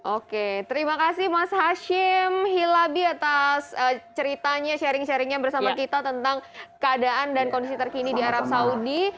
oke terima kasih mas hashim hilabi atas ceritanya sharing sharingnya bersama kita tentang keadaan dan kondisi terkini di arab saudi